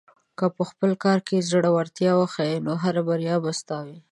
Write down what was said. که په خپل کار کې زړۀ ورتیا وښیې، نو هره بریا به ستا وي.